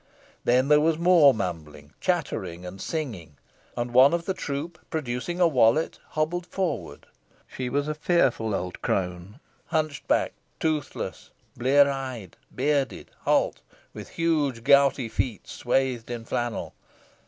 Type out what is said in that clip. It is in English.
Then there was more mumbling, chattering, and singing, and one of the troop producing a wallet, hobbled forward. She was a fearful old crone; hunchbacked, toothless, blear eyed, bearded, halt, with huge gouty feet swathed in flannel.